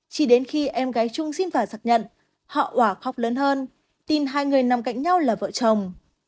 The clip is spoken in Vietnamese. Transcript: chỉ đến khi em gái chung xin phả giặc nhận họ quả khóc lớn hơn tin hai người nằm cạnh nhau là vợ chồng